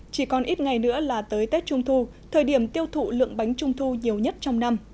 chỉ còn ít ngày nữa là tới tết trung thu thời điểm tiêu thụ lượng bánh trung thu nhiều nhất trong năm